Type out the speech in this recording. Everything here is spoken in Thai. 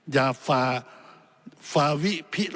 อย่าฝาวิพิราณ